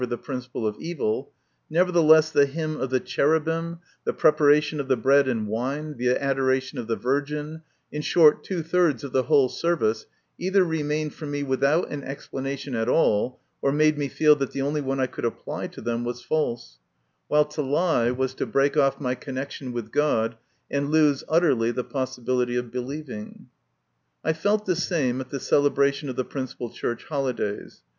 127 the principle of evil ; nevertheless the hymn of the Cherubim, the preparation of the bread and wine, the adoration of the Virgin in short, two thirds of the whole service either remained for me without an explanation at all, or made me feel that the only one I could apply to them was false, while to lie was to break off my connection with God, and lose utterly the possibility of believing. I felt the same at the celebration of the principal Church holidays.